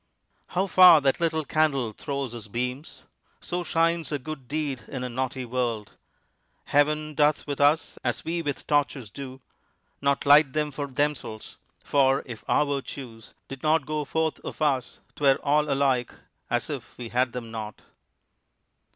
How far that little candle throws his beams! So shines a good deed in a naughty world. Heaven doth with us as we with torches do; Not light them for themselves; for if our virtues Did not go forth of us, 'twere all alike As if we had them not.